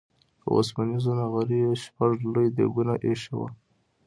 په اوسپنيزو نغريو شپږ لوی ديګونه اېښي وو.